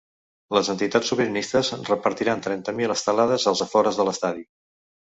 Les entitats sobiranistes repartiran trenta mil estelades als afores de l’estadi.